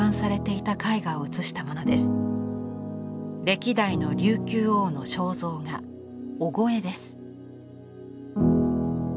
歴代の琉球王の肖像画「御後絵」です。